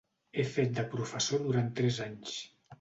He fet de professor durant tres anys.